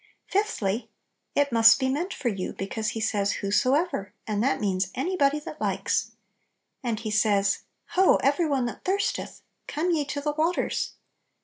Fifthly, it must be meant for you, be cause He says "whosoever," and that means "any body that likes!" And He says, "Ho, every one that thirst eth, come ye to the waters!"